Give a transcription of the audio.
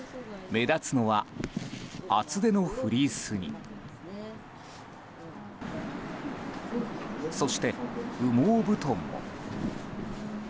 目立つのは、厚手のフリースにそして羽毛布団も。